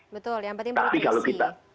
betul yang penting protesi